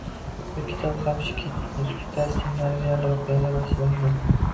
Bu kitob ham Shkid Respublikasi singari real voqealarga asoslangan